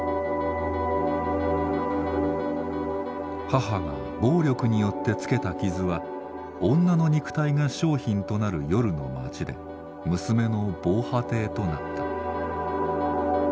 母が暴力によってつけた傷は女の肉体が商品となる夜の街で娘の防波堤となった。